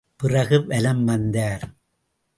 பிறகு வலம் வந்தார்.